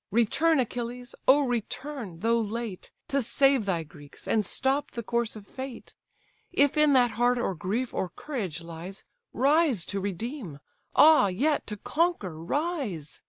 Return, Achilles: oh return, though late, To save thy Greeks, and stop the course of Fate; If in that heart or grief or courage lies, Rise to redeem; ah, yet to conquer, rise!